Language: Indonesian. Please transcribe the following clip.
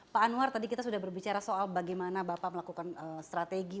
pak anwar tadi kita sudah berbicara soal bagaimana bapak melakukan strategi